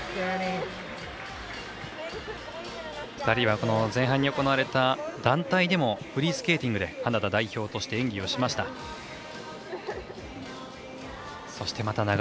２人は前半に行われた団体でもフリースケーティングでカナダ代表として演技をしました。